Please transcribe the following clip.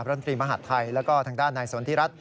พระมนตรีมหาดไทยและก็ทางด้านในส่วนที่รัฐ